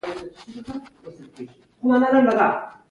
د کلورین اتوم اوه الکترونونه لري.